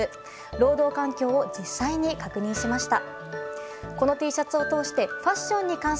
労働環境を実際に確認しました。